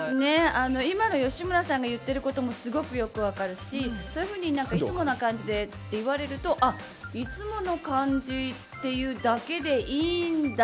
今の吉村さんが言ってることもすごくよく分かるしいつもの感じでと言われるといつもの感じっていうだけでいいんだ？